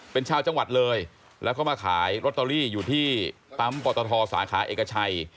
เป็นชาวจังหวัดเลยแล้วก็มาขายลอตเตอรี่อยู่ที่ปั๊มปตทสาขาเอกชัย